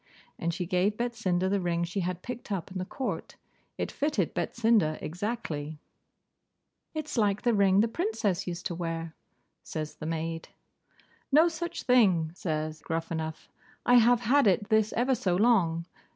And she gave Betsinda the ring she had picked up in the court. It fitted Betsinda exactly. 'It's like the ring the Princess used to wear,' says the maid. 'No such thing,' says Gruffanuff, 'I have had it this ever so long.